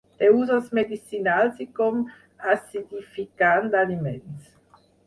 Té usos medicinals i com acidificant d'aliments.